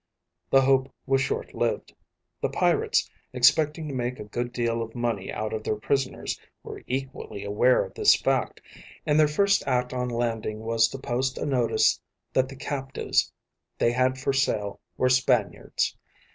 The hope was short lived. The pirates, expecting to make a good deal of money out of their prisoners, were equally aware of this fact, and their first act on landing was to post a notice that the captives they had for sale were Spaniards.